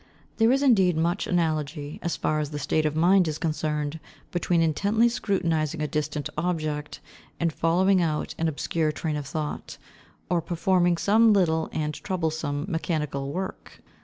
There is, indeed, much analogy, as far as the state of the mind is concerned, between intently scrutinizing a distant object, and following out an obscure train of thought, or performing some little and troublesome mechanical work.